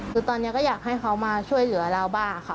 คือตอนนี้ก็อยากให้เขามาช่วยเหลือเราบ้างค่ะ